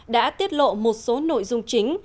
đã tiết lộ một số nội dung chính